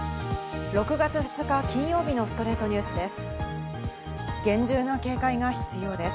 ６月２日、金曜日の『ストレイトニュース』です。